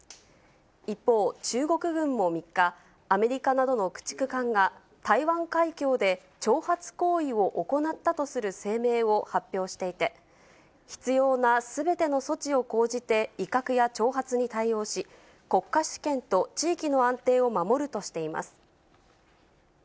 一方、中国軍も３日、アメリカなどの駆逐艦が、台湾海峡で挑発行為を行ったとする声明を発表していて、必要なすべての措置を講じて威嚇や挑発に対応し、国家主権と地域の安定を守るとしています。